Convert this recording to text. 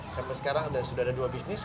sampai sekarang sudah ada dua bisnis